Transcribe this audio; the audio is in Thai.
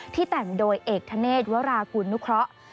ที่แต่งโดยเอกทะเนธวรากุณุเคราะห์